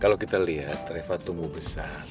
kalo kita liat reva tumbuh besar